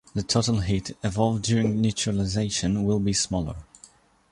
The total heat evolved during neutralization will be smaller.